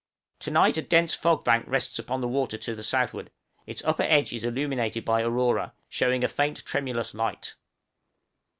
To night a dense fog bank rests upon the water to the southward; its upper edge is illuminated by aurora, showing a faint tremulous light.